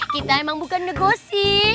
kita emang bukan negosi